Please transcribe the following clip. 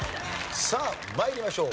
さあ参りましょう。